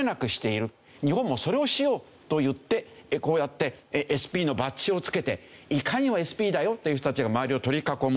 日本もそれをしようといってこうやってＳＰのバッジを着けていかにもＳＰだよという人たちが周りを取り囲む。